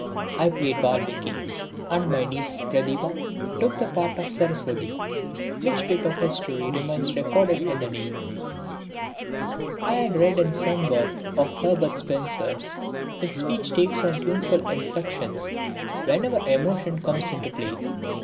I played Valmiki and my niece, Pratibha, took the part of Saraswati which bit of history remains recorded in the name. I had read in some work of Herbert Spencer's that speech takes on tuneful inflexions whenever emotion comes into play.